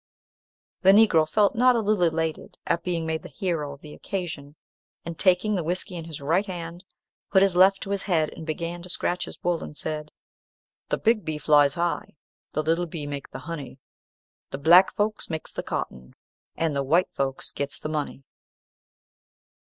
The Negro felt not a little elated at being made the hero of the occasion, and taking the whiskey in his right hand, put his left to his head and began to scratch his wool, and said, "The big bee flies high, The little bee make the honey; The black folks makes the cotton, And the white folks gets the money."